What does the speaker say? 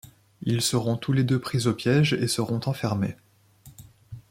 Ils seront tous les deux pris au piège et seront enfermés.